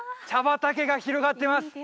畑が広がってます